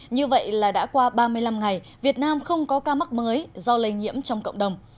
như vậy là đã qua ba mươi năm ngày việt nam không có ca mắc mới do lây nhiễm trong cộng đồng